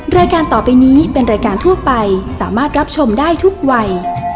รายการต่อไปนี้เป็นรายการทั่วไปสามารถรับชมได้ทุกวัย